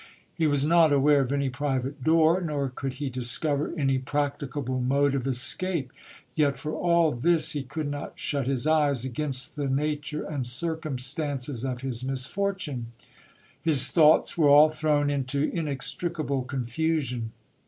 He was not aware of any private door, nor could he discover any prac ticable mode of escape : yet for all this, he could not shut his eyes against the nature and circumstances of his misfortune. His thoughts were all thrown into inextricable confusion.